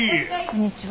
こんにちは。